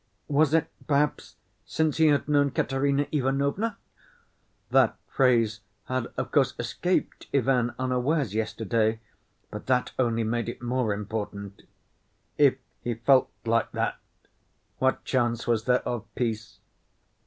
Was it perhaps since he had known Katerina Ivanovna? That phrase had, of course, escaped Ivan unawares yesterday, but that only made it more important. If he felt like that, what chance was there of peace?